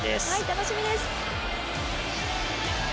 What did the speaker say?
楽しみです。